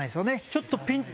ちょっと。